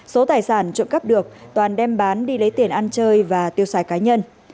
số tài sản trộm cắp được toàn đem bán đi lấy tiền ăn chơi và tiêu xài cá nhân